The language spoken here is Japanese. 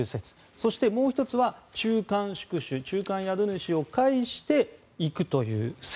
そしてもう１つは中間宿主中間宿主を介して行くという説。